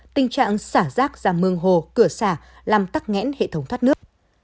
tình trạng xả rác ra mương hồ cửa xả làm tắc nghẽn hệ thống thoát nước